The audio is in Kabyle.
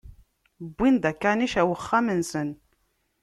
Wwin-d akanic ar wexxam-nsen.